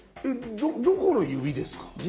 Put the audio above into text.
えっどこの指ですか？